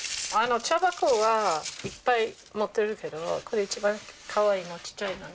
茶箱はいっぱい持ってるけどこれ一番かわいいのちっちゃいの。